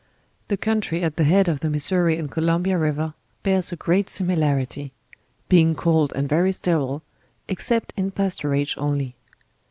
The country at the head of the Missouri and Columbia river bears a great similarity; being cold and very sterile, ex cept in pasturage only.